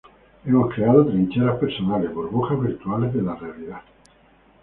Hemos creado trincheras personales, burbujas virtuales de realidad.